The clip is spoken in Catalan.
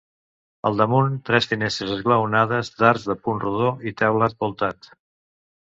Al damunt: tres finestres esglaonades d'arcs de punt rodó i teulat voltat.